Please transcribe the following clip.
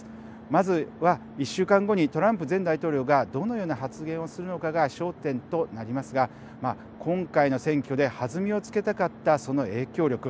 まずは１週間後にトランプ前大統領がどのような発言をするのかが焦点となりますが今回の選挙で弾みをつけたかったその影響力。